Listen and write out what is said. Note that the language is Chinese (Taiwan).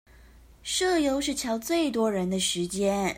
社遊是喬最多人的時間